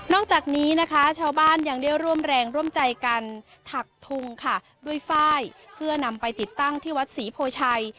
จากนี้นะคะชาวบ้านยังได้ร่วมแรงร่วมใจกันถักทุงค่ะด้วยฝ้ายเพื่อนำไปติดตั้งที่วัดศรีโพชัย